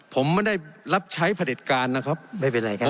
ผมไม่ได้รับใช้ผลิตการนะครับไม่เป็นไรครับ